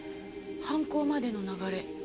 「犯行までの流れ」。